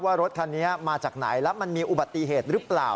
รถคันนี้มาจากไหนแล้วมันมีอุบัติเหตุหรือเปล่า